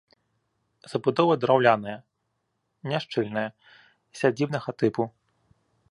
Забудова драўляная, няшчыльная, сядзібнага тыпу.